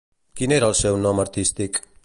Quin era el seu nom artístic?